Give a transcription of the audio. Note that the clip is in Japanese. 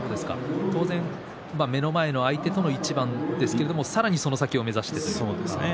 当然、目の前の相手との一番ですけれどもさらに、その先を目指してですか。